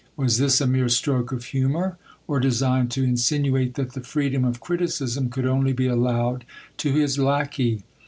Was this a mere stroke of humour, or designed to insinuate that the freedom of criticism could only be allowed to his lacquey?